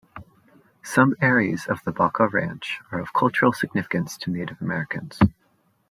Some areas of the Baca Ranch are of cultural significance to Native Americans.